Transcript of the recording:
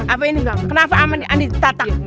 apa ini kenapa ini ditatang